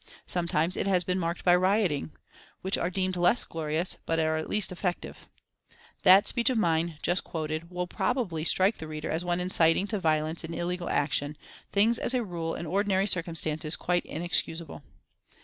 Sometimes it has been marked by riotings, which are deemed less glorious but are at least effective. That speech of mine, just quoted, will probably strike the reader as one inciting to violence and illegal action, things as a rule and in ordinary circumstances quite inexcusable.